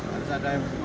harus ada yang